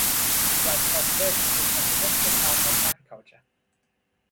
Rice cultivation is a significant part of agriculture.